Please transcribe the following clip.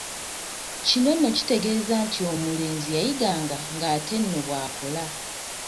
Kino nno kitegeeza nti omulenzi yayiganga ng’ate eno bw’akola.